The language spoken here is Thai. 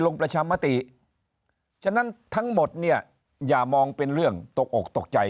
ลงประชามติฉะนั้นทั้งหมดเนี่ยอย่ามองเป็นเรื่องตกอกตกใจ